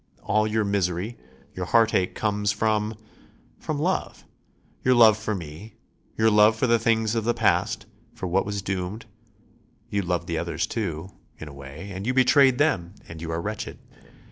All your misery; your heartache comes from ... from love; your love for me, your love for the things of the past, for what was doomed.... You loved the others too ... in a way, and you betrayed them and you are wretched.